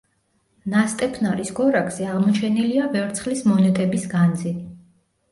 ნასტეფნარის გორაკზე აღმოჩენილია ვერცხლის მონეტების განძი.